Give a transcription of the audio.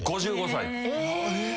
５５歳。え！？